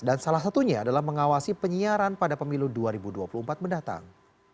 dan salah satunya adalah mengawasi penyiaran pada pemilu dua ribu dua puluh empat mendatang